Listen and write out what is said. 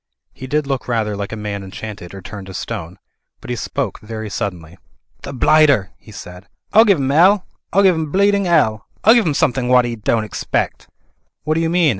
He did look rather like a man enchanted or turned to stone. But he spoke very suddenly. "The blighter !" he said, "I'll give 'im 'ell. I'll give 'im bleeding 'ell. I'll give 'im somethink wot 'e don't expect." "What do you mean?"